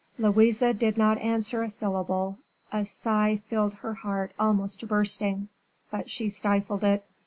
Louise did not answer a syllable; a sigh filled her heart almost to bursting, but she stifled it.